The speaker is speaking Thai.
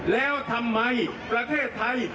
แล้วทำไมประเทศไทย